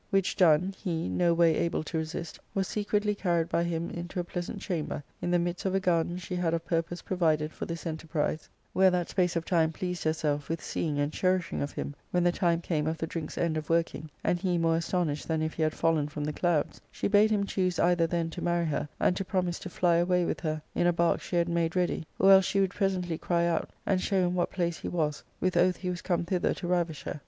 Which done, he, no way able to resist, was secretly carried by him into a pleasant chamber, in the midst of a garden she had of purpose provided for this enterprise, where that space of time pleased herself with seeing and cherishing of him, when the time came of the drink's end of working, and he more astonished than if he had fallen from the clouds, she bade him choose either then to marry her, and to pro mise to fly away with her in a bark she had made ready, or else she would presently cry out, and show in what place he was, with oath he was come thither to ravish her.